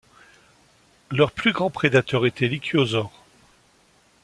Leur plus grand prédateur était l'ichtyosaure.